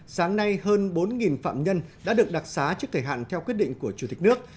sáng nay hơn bốn phạm nhân đã được đặc xá trước thời hạn theo quyết định của chủ tịch nước